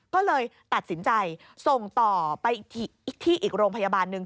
ก็เลยตัดสินใจส่งต่อไปอีกที่อีกโรงพยาบาลหนึ่ง